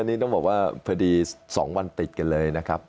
อันนี้ต้องบอกว่าพอดี๒วันติดกันเลยนะครับ